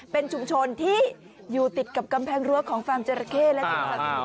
เป็นชุมชนที่อยู่ติดกับกำแพงรั้วของฟาร์มเจอร์ราเค่และจุดผ่านสมุทรประการ